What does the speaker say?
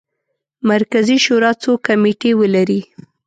مرکزي شورا څو کمیټې ولري.